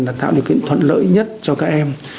là tạo điều kiện thuận lợi nhất cho các em